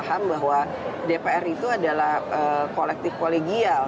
kita harus paham bahwa dpr itu adalah kolektif kolegial